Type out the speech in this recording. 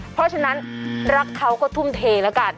เพราะฉะนั้นรักเขาก็ทุ่มเทแล้วกัน